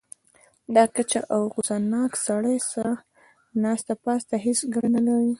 له کچه او غوسه ناک سړي سره ناسته پاسته هېڅ ګټه نه لري.